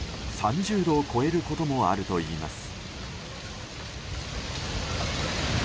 ３０度を超えることもあるといいます。